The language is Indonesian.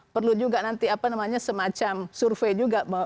perlu juga nanti semacam survei juga